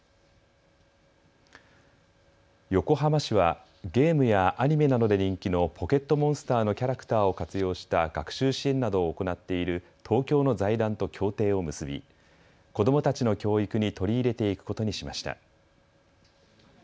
横浜市はゲームやアニメなどで人気のポケットモンスターのキャラクターを活用した学習支援などを行っている東京の財団と協定を結び子どもたちの教育に取り入れていくことにしました。